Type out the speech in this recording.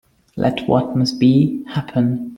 Let what must be, happen.